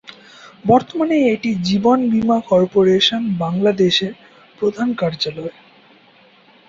বর্তমানে এটি জীবন বীমা কর্পোরেশন বাংলাদেশের প্রধান কার্যালয়।